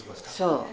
そう。